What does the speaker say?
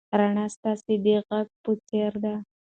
رڼا ستا د غږ په څېر ده.